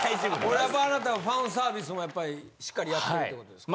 これやっぱりあなたはファンサービスもやっぱりしっかりやってるってことですか？